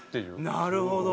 なるほど！